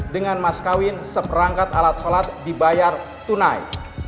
dengan mas kawin seperangkat alat sholat dibayar tunai